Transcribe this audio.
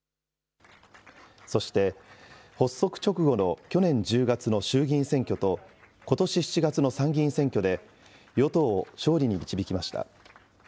そして発足直後の去年１０月の衆議院選挙とことし７月の参議院選挙で、与党を勝利に導きました。